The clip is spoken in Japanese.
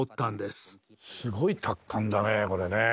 すごい達観だねこれねえ。